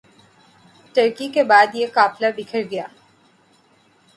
ترکی کے بعد یہ قافلہ بکھر گیا